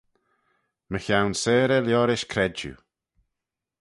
Mychione seyrey liorish credjue.